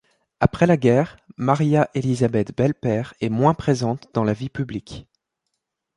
Après la guerre, Maria-Elisabeth Belpaire est moins présente dans la vie publique.